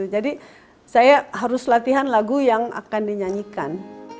jadi saya harus latihan lagu yang akan dinyanyikan